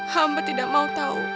hamba tidak mau tau